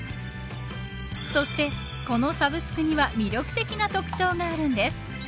そして、このサブスクには魅力的な特徴があるんです。